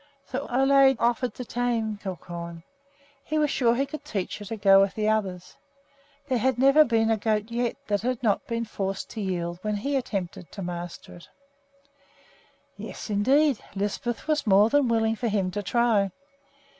So Ole offered to tame Crookhorn. He was sure that he could teach her to go with the others. There had never been a goat yet that had not been forced to yield when he attempted to master it. Yes, indeed, Lisbeth was more than willing for him to try.